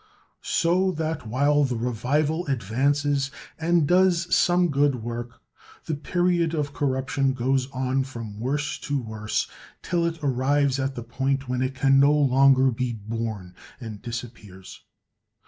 So that while the revival advances and does some good work, the period of corruption goes on from worse to worse, till it arrives at the point when it can no longer be borne, and disappears.